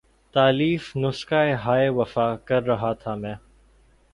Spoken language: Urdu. تالیف نسخہ ہائے وفا کر رہا تھا میں